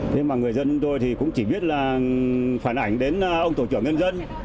thế mà người dân chúng tôi thì cũng chỉ biết là phản ảnh đến ông tổ trưởng nhân dân